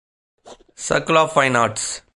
Circle of Fine Arts.